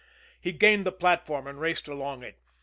He gained the platform and raced along it.